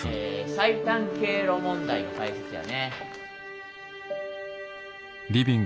最短経路問題の解説やね。